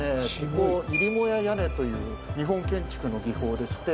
ここ入母屋屋根という日本建築の技法でして。